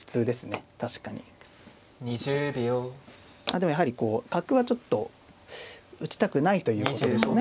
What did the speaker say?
でもやはりこう角はちょっと打ちたくないということでしょうね